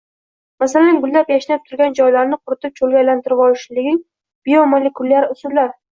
Masalan, gullab-yashnab turgan joylarni quritib cho‘lga aylantirvorishning biomolekulyar usullar